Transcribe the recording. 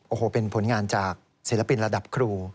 โอ้โหเป็นผลงานจากศิลปินระดับครู